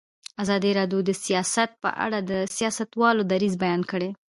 ازادي راډیو د سیاست په اړه د سیاستوالو دریځ بیان کړی.